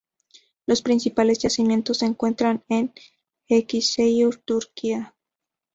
Los principales yacimientos se encuentran en Eskişehir, Turquía.